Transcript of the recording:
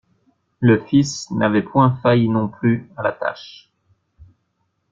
Le fils n'avait point failli non plus à la tâche.